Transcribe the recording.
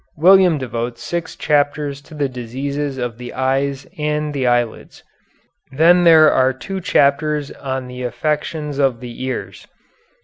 William devotes six chapters to the diseases of the eyes and the eyelids. Then there are two chapters on affections of the ears.